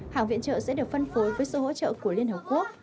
hàng viện trợ sẽ được phân phối với sự hỗ trợ của liên hợp quốc